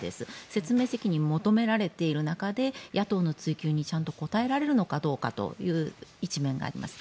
説明責任を求められている中で野党の追及にちゃんと答えられるのかどうかという一面があります。